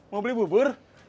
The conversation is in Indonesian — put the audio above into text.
mau beli bubur